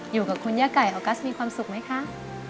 อยู่กับคุณย่าไก่ออกัสมีความสุขไหมคะ